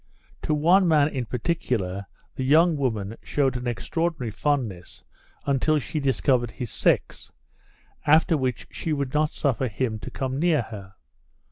To one man in particular, the young woman shewed an extraordinary fondness until she discovered his sex, after which she would not suffer him to come near her.